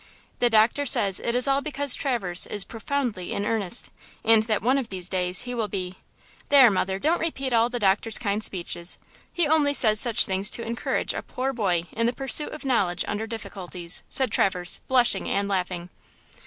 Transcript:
The doctor says it is all because Traverse is profoundly in earnest, and that one of these days he will be–" "There, mother, don't repeat all the doctor's kind speeches. He only says such things to encourage a poor boy in the pursuit of knowledge under difficulties," said Traverse, blushing and laughing.